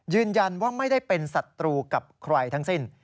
ยืนยันว่าไม่ได้เป็นศัตรูกับใครทั้งสิ้น